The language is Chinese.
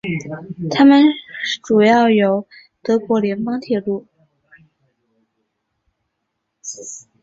它们主要由德国联邦铁路。